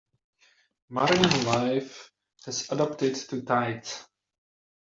Marine life has adapted to tides.